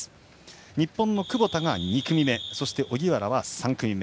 日本の窪田が２組目そして荻原は３組目。